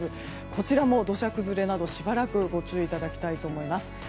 こちらも土砂崩れなど、しばらくご注意いただきたいと思います。